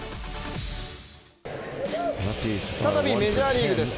再びメジャーリーグです。